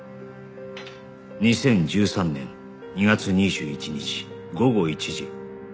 ２０１３年２月２１日午後１時